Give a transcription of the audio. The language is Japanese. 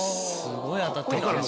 すごい当たってる。